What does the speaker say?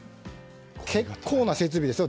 結構な設備ですよ。